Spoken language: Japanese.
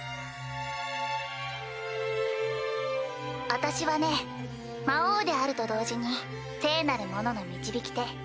私はね魔王であると同時に聖なる者の導き手。